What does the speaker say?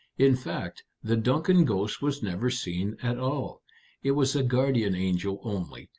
In fact, the Duncan ghost was never seen at all. It was a guardian angel only.